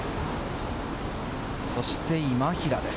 そして今平です。